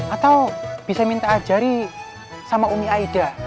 atau bisa minta ajari sama umi aida